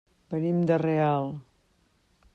Venim de Real.